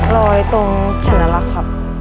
รอยตรงสัญลักษณ์ครับ